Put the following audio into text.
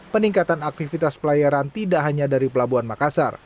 peningkatan aktivitas pelayaran tidak hanya dari pelabuhan makassar